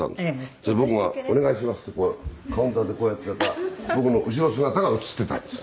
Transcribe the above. それ僕が「お願いします」ってカウンターでこうやってた僕の後ろ姿が映ってたんです。